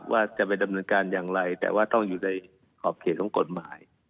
ว่าจะไปดำเนินการอย่างไรแต่ว่าต้องอยู่ในขอบเขตของกฎหมาย